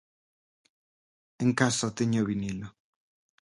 En casa teño o vinilo.